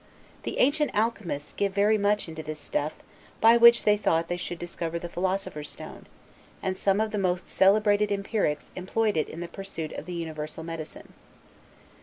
The ancient alchemists give very much into this stuff, by which they thought they should discover the philosopher's stone; and some of the most celebrated empirics employed it in the pursuit of the universal medicine.